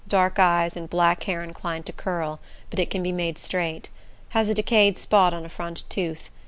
Dark eyes, and black hair inclined to curl; but it can be made straight. Has a decayed spot on a front tooth.